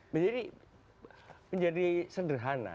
menjadi menjadi sederhana